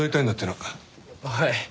はい。